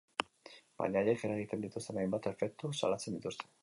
Baina haiek eragiten dituzten hainbat efektuk salatzen dituzte.